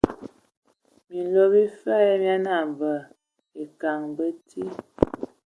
Minlo bifia ya mia nambə minkana mi bəti.